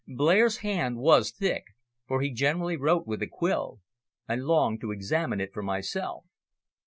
Blair's hand was thick, for he generally wrote with a quill. I longed to examine it for myself.